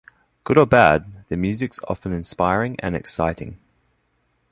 Good or bad, the music's often inspiring and exciting.